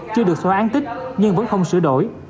chưa được xóa án tích nhưng vẫn không sửa đổi